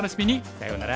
さようなら。